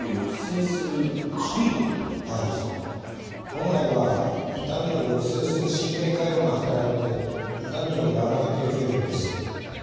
本来は痛みを抑制する神経回路が働いて痛みを和らげてくれるんです。